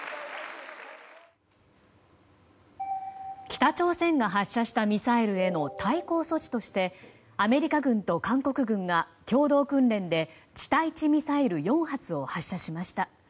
北朝鮮が発射したミサイルへの対抗措置としてアメリカ軍と韓国軍が共同訓練で地対地ミサイル４発を発射しました。